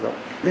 cái kiến thức